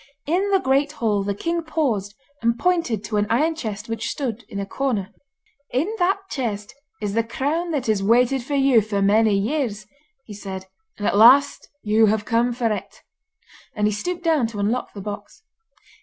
In the great hall the king paused and pointed to an iron chest which stood in a corner. 'In that chest is the crown that has waited for you for many years,' he said, 'and at last you have come for it.' And he stooped down to unlock the box.